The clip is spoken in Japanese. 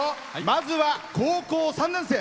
まずは、高校３年生。